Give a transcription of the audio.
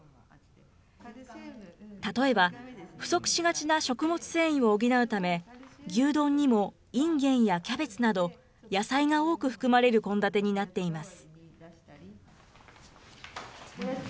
例えば、不足しがちな食物繊維を補うため、牛丼にもインゲンやキャベツなど、野菜が多く含まれる献立になっています。